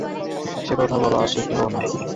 সে কথা বলা শিখল না।